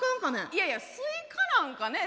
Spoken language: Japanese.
いやいやスイカなんかね